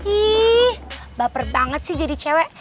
ih baper banget sih jadi cewek